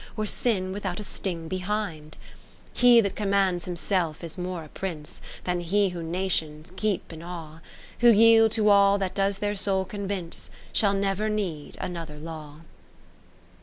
Or sin without a sting behind ? XX He that commands himself is more a Prince Than he who nations keeps in awe ; Who yield to all that does their soul convince. Shall never need another Law.